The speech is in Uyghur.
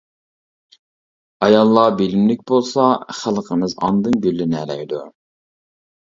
ئاياللار بىلىملىك بولسا خەلقىمىز ئاندىن گۈللىنەلەيدۇ.